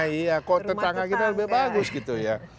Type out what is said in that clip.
iya kok tetangga kita lebih bagus gitu ya